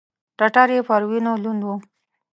ټټر يې پر وينو لوند و.